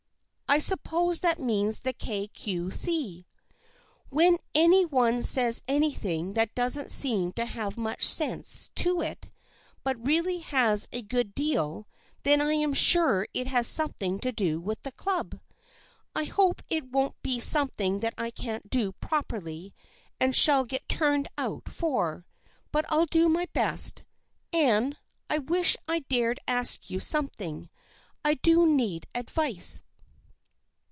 " I suppose that means the Kay Cue See. When any one says anything that doesn't seem to have much sense to it but really has a good deal, then I am sure it has something to do with the club. I hope it won't be something that I can't do properly and shall get turned out for, but I'll do my best. Anne, I wish I dared ask you something. I do need advice."